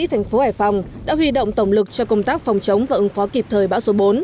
thành phố hải phòng đã huy động tổng lực cho công tác phòng chống và ứng phó kịp thời bão số bốn